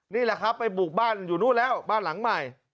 นี่แหละครับไปบุกบ้านอยู่นู่นแล้วบ้านหลังใหม่